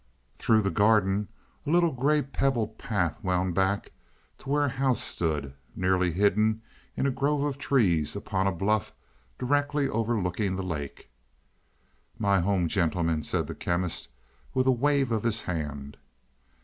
Through the garden a little gray pebbled path wound back to where a house stood, nearly hidden in a grove of trees, upon a bluff directly overlooking the lake. "My home, gentlemen," said the Chemist, with a wave of his hand.